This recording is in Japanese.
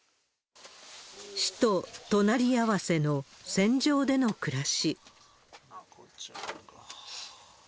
死と隣り合わせの戦場での暮らし。